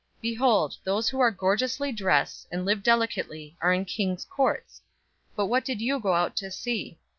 Behold, those who are gorgeously dressed, and live delicately, are in kings' courts. 007:026 But what did you go out to see?